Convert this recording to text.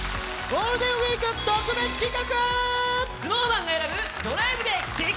ゴールデンウイーク特別企画！